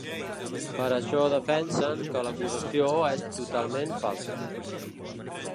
Per això defensen que l’acusació és ‘totalment falsa’.